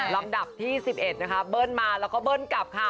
ลำดับที่๑๑นะคะเบิ้ลมาแล้วก็เบิ้ลกลับค่ะ